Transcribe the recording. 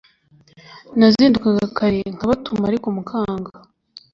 nazindukaga kare nkabatuma ariko mukanga